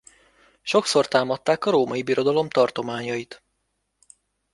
Sokszor támadták a Római Birodalom tartományait.